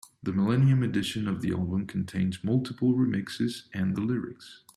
The millennium edition of the album contains multiple remixes and the lyrics.